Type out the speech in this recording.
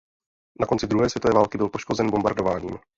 Na konci druhé světové války byl poškozen bombardováním.